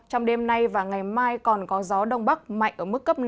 trong đêm nay và ngày mai còn có gió đông bắc mạnh ở mức cấp năm